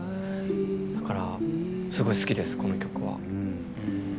だから、すごい好きですこの曲は。